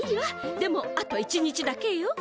でもあと１日だけよ。